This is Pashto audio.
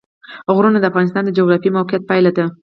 غرونه د افغانستان د جغرافیایي موقیعت پایله ده.